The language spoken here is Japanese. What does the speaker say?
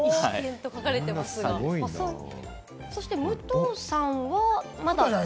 そして武藤さんは、まだ？